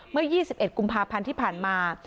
เมื่อ๒๑กุมภาพันธ์ที่ผ่านมา